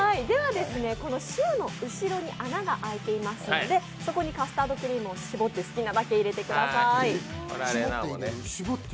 シューの後ろに穴が開いていますのでそこにカスタードクリームを絞って、好きなだけ入れてください。